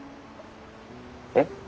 えっ？